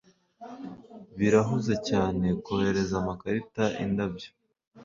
birahuze cyane kohereza amakarita, indabyo,